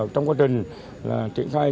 trong quá trình triển khai